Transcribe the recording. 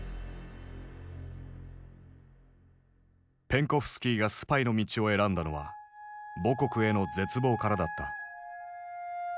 ペンコフスキーがスパイの道を選んだのは母国への絶望からだった。